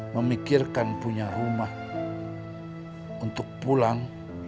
memikirkan punya rumah untuk pulang